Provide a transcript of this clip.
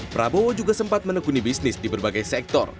prabowo juga sempat menekuni bisnis di berbagai sektor